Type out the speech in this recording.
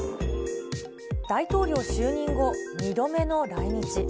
大統領就任後、２度目の来日。